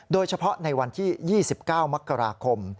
โดยเฉพาะในวันที่๒๙มกราคม